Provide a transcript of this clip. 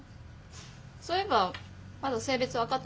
そういえばまだ性別分かってないんだっけ？